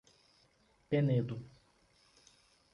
Penedo